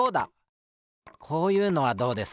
こういうのはどうですか？